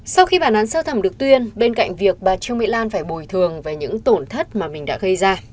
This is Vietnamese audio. sau khi bản án sơ thẩm được tuyên bên cạnh việc bà trương mỹ lan phải bồi thường về những tổn thất mà mình đã gây ra